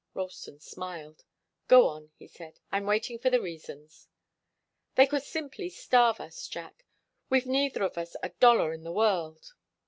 Ralston smiled. "Go on," he said. "I'm waiting for the reasons." "They could simply starve us, Jack. We've neither of us a dollar in the world."